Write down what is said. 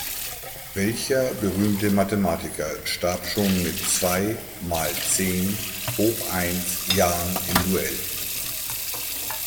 Welcher berühmte Mathematiker starb schon mit zwei mal zehn hoch eins Jahren im Duell?